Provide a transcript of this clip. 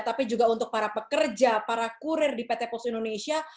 tapi juga untuk para pekerja para kurir di pt pos indonesia